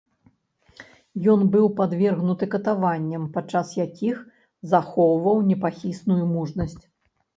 Ён быў падвергнуты катаванням, падчас якіх захоўваў непахісную мужнасць.